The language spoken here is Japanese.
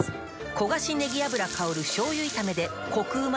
焦がしねぎ油香る醤油炒めでコクうま